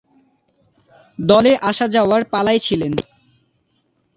দলে আসা-যাওয়ার পালায় ছিলেন।